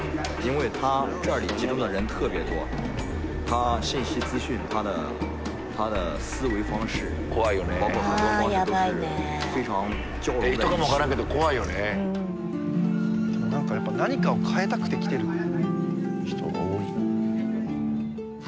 でも何かやっぱ何かを変えたくて来てる人が多い。